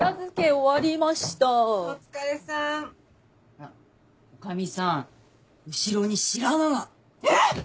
あらっ女将さん後ろに白髪が！えっ！？